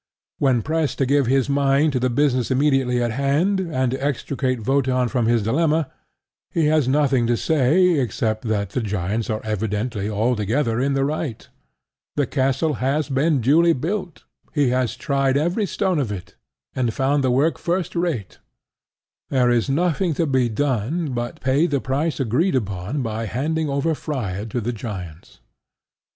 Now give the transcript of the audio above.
When pressed to give his mind to the business immediately in hand, and to extricate Wotan from his dilemma, he has nothing to say except that the giants are evidently altogether in the right. The castle has been duly built: he has tried every stone of it, and found the work first rate: there is nothing to be done but pay the price agreed upon by handing over Freia to the giants.